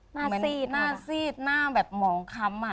หน้าซีดหน้าแบบหมองคำอ่ะ